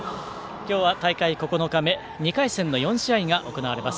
今日は大会９日目２回戦の４試合が行われます。